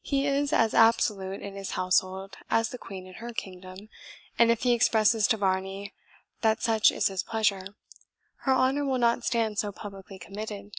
He is as absolute in his household as the Queen in her kingdom, and if he expresses to Varney that such is his pleasure, her honour will not stand so publicly committed."